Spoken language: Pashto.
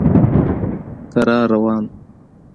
کرار روان و.